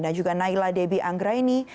juga naila debbie anggraini